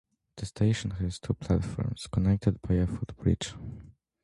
The station has two platforms, connected by a footbridge.